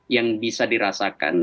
yang bisa dirasakan